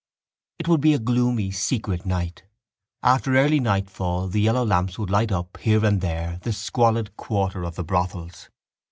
It would be a gloomy secret night. After early nightfall the yellow lamps would light up, here and there, the squalid quarter of the brothels.